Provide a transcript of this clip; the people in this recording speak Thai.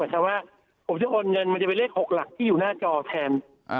แต่ว่าผมจะโอนเงินมันจะเป็นเลข๖หลักที่อยู่หน้าจอแทน